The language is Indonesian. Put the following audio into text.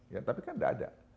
ya tapi kan tidak ada